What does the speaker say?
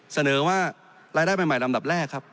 เสนอว่ารายได้ใหม่ลำดับแรกครับ